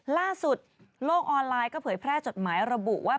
โลกออนไลน์ก็เผยแพร่จดหมายระบุว่า